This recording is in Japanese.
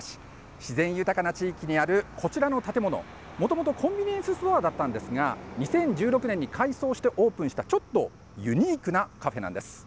自然豊かな地域にあるこちらの建物、もともとコンビニエンスストアだったんですが、２０１６年に改装してオープンしたちょっとユニークなカフェなんです。